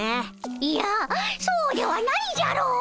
いやそうではないじゃろ！